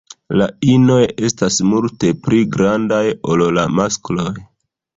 La inoj estas multe pli grandaj ol la maskloj.